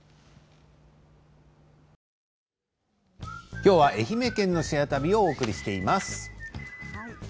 きょうは愛媛県の「シェア旅」をお送りしています。